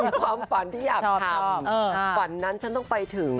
ความฝันที่อยากทำฝันนั้นฉันต้องไปถึง